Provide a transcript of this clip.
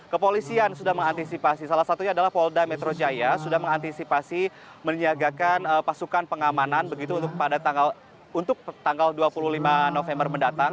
kepolisian sudah mengantisipasi salah satunya adalah polda metro jaya sudah mengantisipasi meniagakan pasukan pengamanan begitu untuk tanggal dua puluh lima november mendatang